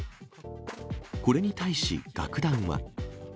これに対し、楽団は。